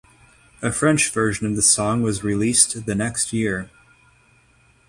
A French version of the song was released the next year.